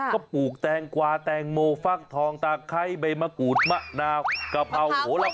ก็ปลูกแตงกวาแตงโมฟักทองตาไคร้ใบมะกรูดมะนาวกะเพราโหละ